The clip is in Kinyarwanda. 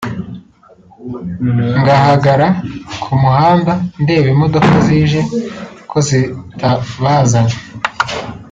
ngahagara ku muhanda ndeba imodoka zije ko zitabazanye